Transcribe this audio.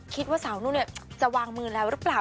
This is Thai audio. คิดว่าสาวนุ่นจะวางมือแล้วหรือเปล่า